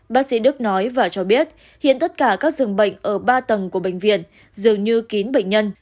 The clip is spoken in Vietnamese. bác sĩ đức nói và cho biết hiện tất cả các dường bệnh ở ba tầng của bệnh viện dường như kín bệnh nhân